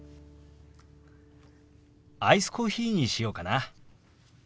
アイスコーヒーにしようかな。